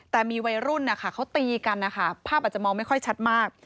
แต่มีวัยรุ่นนะคะเขาตีกันนะคะภาพอาจจะมองไม่ค่อยชัดมาก